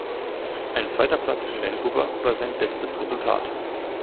Ein zweiter Platz in Vancouver war sein bestes Resultat.